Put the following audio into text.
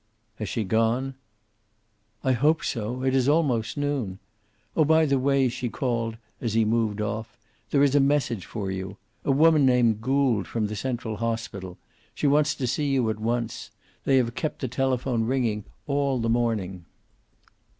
"Has she gone?" "I hope so. It is almost noon. Oh, by the way," she called, as he moved off, "there is a message for you. A woman named Gould, from the Central Hospital. She wants to see you at once. They have kept the telephone ringing all the morning."